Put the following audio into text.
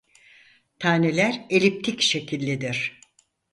Taneler eliptik şekillidir.